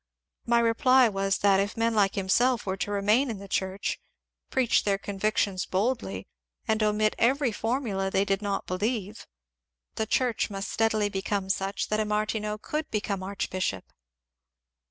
" My reply was that if men like himself were to remain in the church, preach their convictions boldly, and omit every for mula they did not believe, the church must steadily become VOL. u 322 MONCURE DANIEL CONWAY sucli that a Martineau could become archbishop.